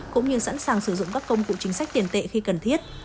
cũng như sẵn sàng sử dụng các công cụ chính sách tiền tệ khi cần thiết